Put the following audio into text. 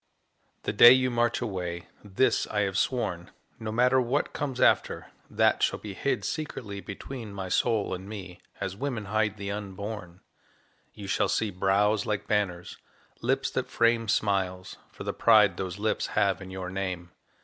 The day you march away this I have sworn, No matter what comes after, that shall be Hid secretly between my soul and me As women hide the unborn You shall see brows like banners, lips that frame Smiles, for the pride those lips have in your name.